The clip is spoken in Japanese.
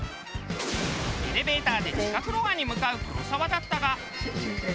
エレベーターで地下フロアに向かう黒沢だったが。